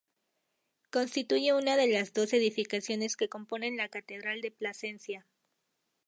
Constituye una de las dos edificaciones que componen la catedral de Plasencia.